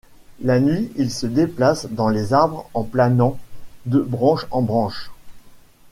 La nuit, il se déplace dans les arbres en planant de branche en branche.